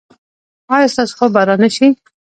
ایا ستاسو خوب به را نه شي؟